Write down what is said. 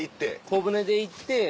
小舟で行って。